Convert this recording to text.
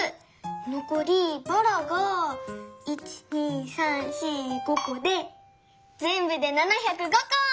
のこりばらが１２３４５こでぜんぶで７０５こ！